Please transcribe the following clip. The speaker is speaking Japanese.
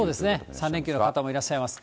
３連休の方もいらっしゃいます。